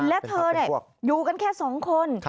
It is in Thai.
และเธออยู่กันแค่๒คน